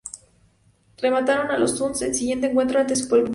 Remataron a los Suns en siguiente encuentro ante su público.